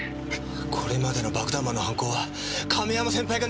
これまでの爆弾魔の犯行は亀山先輩が狙いで！